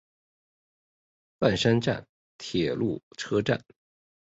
饭山站铁路车站。